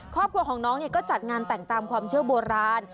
ครอบครัวของน้องก็จัดงานแต่งตามความเชื่อโบราณ